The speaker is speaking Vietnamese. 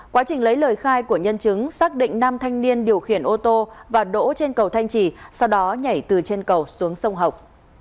quá trình lấy lời khai của nhân chứng xác định nam thanh niên điều khiển ô tô và đỗ trên cầu thanh trì sau đó nhảy từ trên cầu xuống sông học